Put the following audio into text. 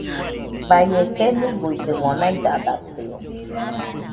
Baie keniguisɨmo naidadatɨo